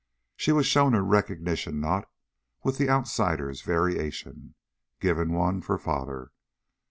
She was shown a recognition knot with the outsider's variation. Given one, for father.